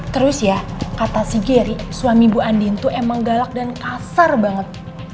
terus ya kata si jerry suami bu andin itu emang galak dan kasar banget